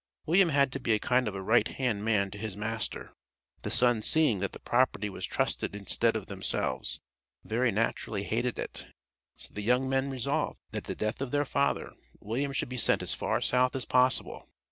William had to be a kind of a right hand man to his master. The sons seeing that the "property" was trusted instead of themselves, very naturally hated it, so the young men resolved that at the death of their father, William should be sent as far south as possible.